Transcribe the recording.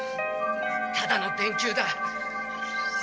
ただの電球だ。